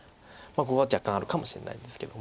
ここは若干あるかもしれないんですけど。